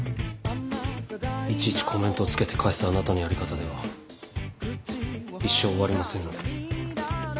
いちいちコメントを付けて返すあなたのやり方では一生終わりませんので。